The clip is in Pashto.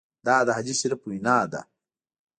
دا د حدیث شریف وینا ده.